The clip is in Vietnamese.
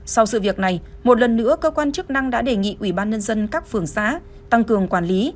sau sự việc này một lần nữa cơ quan chức năng đã đề nghị ủy ban nhân dân các phường xã tăng cường quản lý